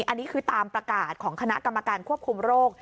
อันนี้คือตามประกาศของคณะกรรมการควบคุมโรค